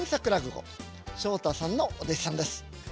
昇太さんのお弟子さんです。